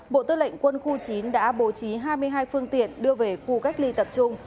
bộ tư lệnh quân khu chín đã bố trí hai mươi hai phương tiện đưa về khu cách ly tập trung